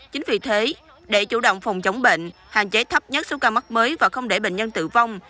chính vì thế để chủ động phòng chống bệnh hạn chế thấp nhất số ca mắc mới và không để bệnh nhân tử vong